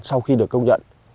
sau khi được công nhận